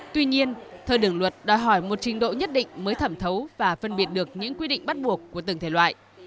tuy nhiên thời điểm luật đòi hỏi một trình độ nhất định mới thẩm thấu và phân biệt được những quy định bắt buộc của từng thể loại